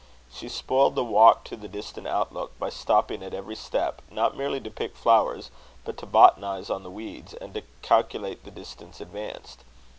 She spoiled the walk to the distant outlook, by stopping at every step, not merely to pick flowers, but to botanise on the weeds, and to calculate the distance advanced.